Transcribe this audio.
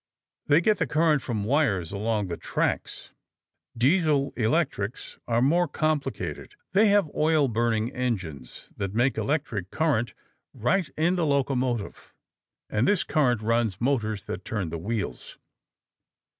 They get the current from wires along the tracks. Diesel electrics are more complicated. They have oil burning engines that make electric current right in the locomotive, and this current runs motors that turn the wheels.